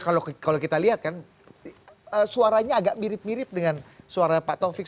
kalau kita lihat kan suaranya agak mirip mirip dengan suara pak taufik